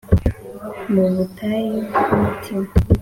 mu butayu bw'umutima